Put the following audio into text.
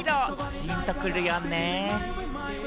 ジーンとくるよね。